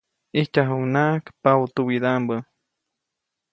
ʼIjtyajuʼucnaʼajk paʼutuwidaʼmbä.